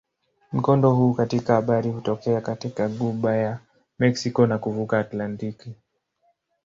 Mkondo huu katika bahari hutokea katika ghuba ya Meksiko na kuvuka Atlantiki.